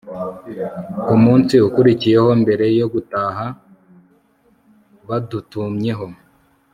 Ku munsi ukurikiyeho mbere yo gutaha badutumyeho